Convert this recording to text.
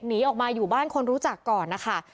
หนีออกมาอยู่บ้านคนรู้จักก่อนนะคะ